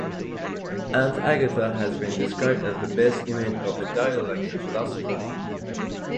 Aunt Agatha has been described as "the best image of the dialoguing philosopher".